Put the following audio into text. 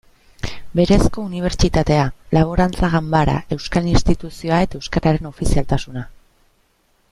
Berezko unibertsitatea, Laborantza Ganbara, Euskal Instituzioa eta euskararen ofizialtasuna.